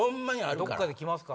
どっかで来ますか？